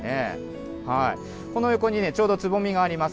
この横にちょうどつぼみがあります。